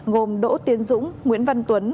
gồm đỗ tiến dũng nguyễn văn tuấn